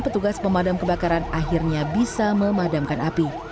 petugas pemadam kebakaran akhirnya bisa memadamkan api